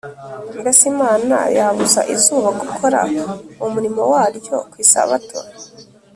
Mbese Imana yabuza izuba gukora umurimo waryo ku Isabato